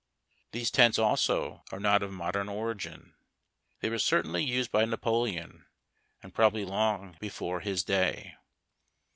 These tents, also, are not of modern origin. They were certainly used by Napoleon, and probably long before his day.